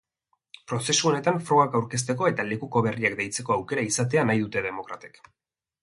Prozesu honetan frogak aurkezteko eta lekuko berriak deitzeko aukera izatea nahi dute demokratek.